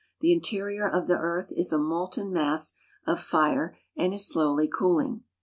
The interior of the earth is a molten mass of fire and is slowly cooling.